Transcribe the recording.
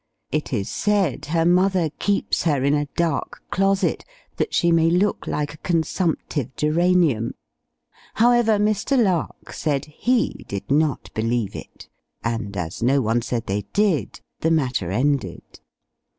It is said her mother keeps her in a dark closet, that she may look like a consumptive geranium: however, Mr. Lark said he did not believe it; and, as no one said they did, the matter ended.